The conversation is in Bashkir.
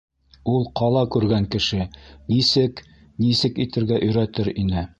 Ул ҡала күргән кеше, нисек-нисек итергә өйрәтер ине.